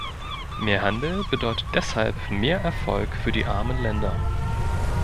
Mehr Handel bedeutet deshalb mehr Erfolg für die armen Länder.